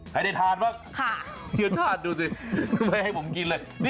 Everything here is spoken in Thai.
ใครได้ทานไหมจะชาดดูสิทำไมให้ผมกินเลย